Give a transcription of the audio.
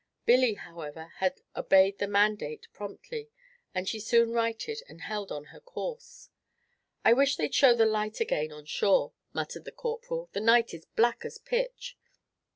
Billy, however, had obeyed the mandate promptly, and she soon righted, and held on her course. "I wish they'd show the light again on shore," muttered the Corporal; "the night is black as pitch."